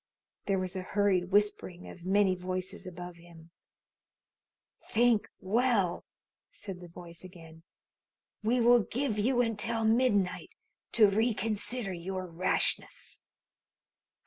There was a hurried whispering of many voices above him. "Think well," said the voice again. "We will give you until midnight to reconsider your rashness.